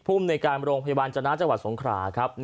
ภูมิในการโรงพยาบาลจนะจังหวัดสงขราครับ